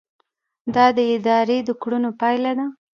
دا د ادارې د کړنو پایله ده.